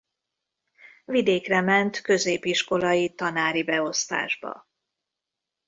Vidékre ment középiskolai tanári beosztásba.